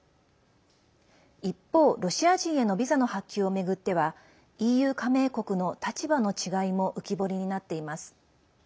一方、ロシア人へのビザの発給を巡ってはＥＵ加盟国の立場の違いも浮き彫りになっています。